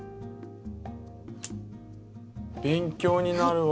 勉強になるわ。